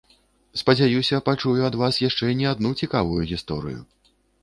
Спадзяюся, пачую ад вас яшчэ не адну цікавую гісторыю.